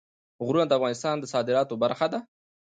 غرونه د افغانستان د صادراتو برخه ده.